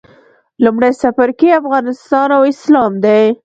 لومړی څپرکی افغانستان او اسلام دی.